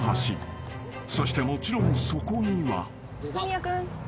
［そしてもちろんそこには］